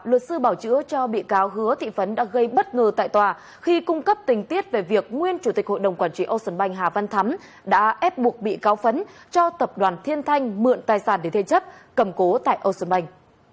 luật sư bảo chữa cho bị cáo hứa thị phấn đã gây bất ngờ tại tòa khi cung cấp tình tiết về việc nguyên chủ tịch hội đồng quản trị ocean bank hà văn thắm đã ép buộc bị cáo phấn cho tập đoàn thiên thanh mượn tài sản để thế chấp cầm cố tại ocean bank